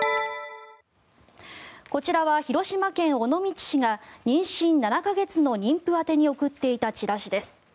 こちらは広島県尾道市が妊娠７か月の妊婦宛てに送っていたチラシです。